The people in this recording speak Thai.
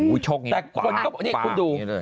โอ้ยชกนิดนึงปากปากนิดนึงเลย